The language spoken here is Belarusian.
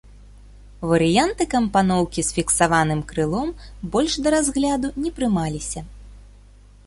Варыянты кампаноўкі з фіксаваным крылом больш да разгляду не прымаліся.